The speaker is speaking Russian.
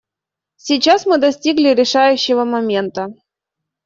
Сейчас мы достигли решающего момента.